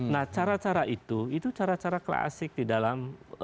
nah cara cara itu itu cara cara klasik di dalam